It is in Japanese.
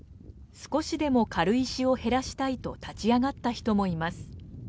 少しでも軽石を減らしたいと立ち上がった人もいます。